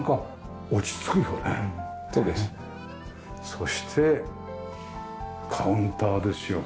そしてカウンターですよ。